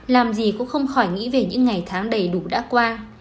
làm gì cũng không khỏi nghĩ về những ngày tháng đầy đủ đã qua